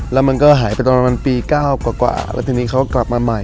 แล้วมันก็หายไปตอนประมาณปี๙กว่าแล้วทีนี้เขากลับมาใหม่